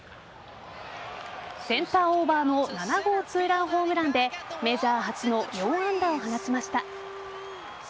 センターオーバーの７号２ランホームランでメジャー初の４安打を放ちました。